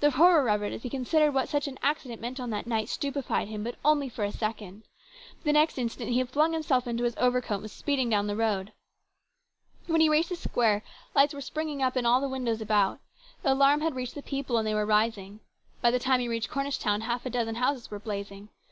The horror of it as he considered what such an accident meant on such a night stupefied him, but only for a second. The next instant he had flung himself into his overcoat, and was speeding down the road. When he reached the square, lights were springing up in the windows all about. The alarm had reached the people, and they were rising. By the time he reached Cornish town half a dozen houses were blazing.